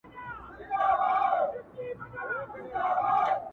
غزل به وي سارنګ به وي خو مطربان به نه وي-